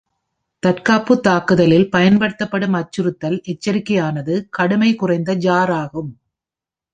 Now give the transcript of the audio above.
தற்காப்பு தாக்குதலில் பயன்படுத்தப்படும் அச்சுறுத்தல் எச்சரிக்கையானது கடுமை குறைந்த ஜார் ஆகும்.